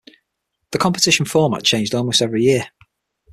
The competition format changed almost every year.